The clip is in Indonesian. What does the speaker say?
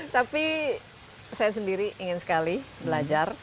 tapi saya sendiri ingin sekali belajar